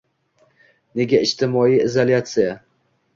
Nega ijtimoiy izolyatsiya?